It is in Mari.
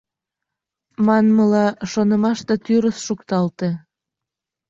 — Манмыла, шонымашда тӱрыс шукталте.